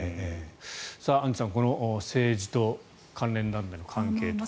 アンジュさん政治と関連団体の関係と。